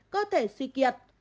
cơ thể suy kiệt